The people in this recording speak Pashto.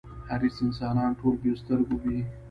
حریص انسانان ټول بې سترگو وي.